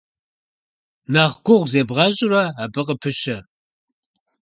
Нэхъ гугъу зебгъэщӀурэ, абы къыпыщэ.